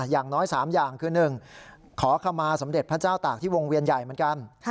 อย่างน้อย๓อย่างคือ๑ขอขมาสมเด็จพระเจ้าตากที่วงเวียนใหญ่เหมือนกัน